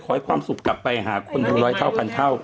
ขอให้ความสุขตามไปหาคนร้อยเท่าขันเท่า